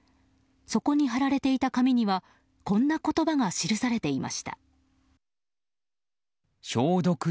そこに貼られていた紙にはこんな言葉が記されていました。